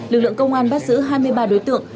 lực lượng công an bắt giữ hai mươi ba đối tượng